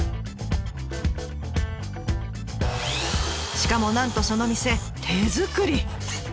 しかもなんとその店手作り！